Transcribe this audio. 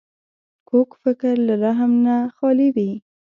کوږ فکر له رحم نه خالي وي